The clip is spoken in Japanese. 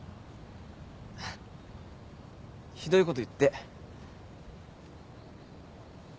ひどいこと言って。